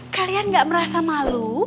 kalian gak merasa malu